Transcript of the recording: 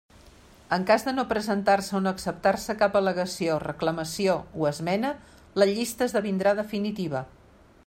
En cas de no presentar-se o no acceptar-se cap al·legació, reclamació o esmena la llista esdevindrà definitiva.